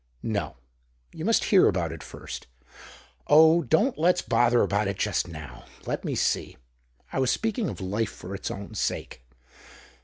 " No ; you must hear about it first. Oh, don't let's bother about it just now ! Let me see, I was speaking of life for its own sake.